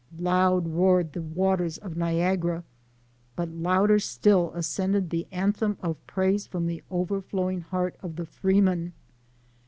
Loud roared the waters of Niagara, but louder still ascended the anthem of praise from the over flowing heart of the freeman.